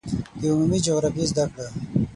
د عمومي جغرافیې زده کړه